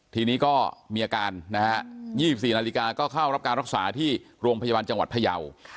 ทีนี้ก็มีอาการนะฮะ๒๔นาฬิกาก็เข้ารับการรักษาที่โรงพยาบาลจังหวัดพยาว